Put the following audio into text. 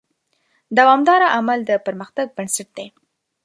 دوامداره عمل د پرمختګ بنسټ دی.